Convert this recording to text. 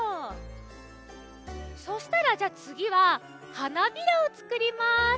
そしたらじゃあつぎは花びらをつくります。